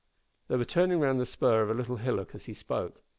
They were turning round the spur of a little hillock as he spoke.